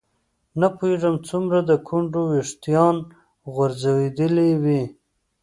نه پوهېږم څومره د ګونډو ویښتان غورځېدلي وي.